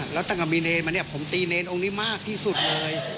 แล้วตั้งแต่มีเนรมาเนี่ยผมตีเนรองค์นี้มากที่สุดเลย